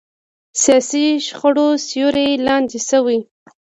سیاسي شخړو سیوري لاندې شوي.